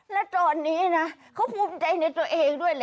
แล้วตอนนี้เค้าพูดใจในตัวเองด้วย